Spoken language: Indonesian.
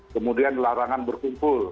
kemudian larangan berkumpul